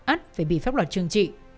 ất phải bị pháp luật chương trị